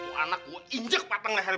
lo anak gue injek pateng leher